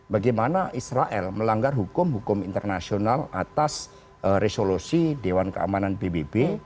bagaimana israel melanggar hukum hukum internasional atas resolusi dewan keamanan pbb